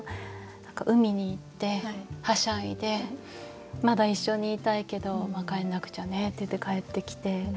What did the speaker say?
海に行ってはしゃいでまだ一緒にいたいけど帰んなくちゃねって言って帰ってきて。